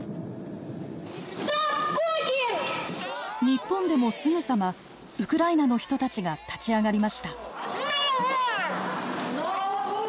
日本でもすぐさまウクライナの人たちが立ち上がりました。